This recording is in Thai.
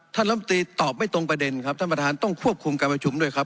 ลำตีตอบไม่ตรงประเด็นครับท่านประธานต้องควบคุมการประชุมด้วยครับ